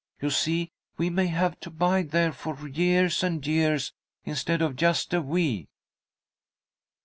You see, we may have to bide there for years and years instead of just a wee."